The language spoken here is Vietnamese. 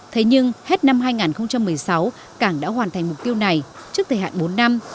thế nhưng hết năm hai nghìn một mươi sáu cảng đã hoàn thành mục tiêu này trước thời hạn bốn năm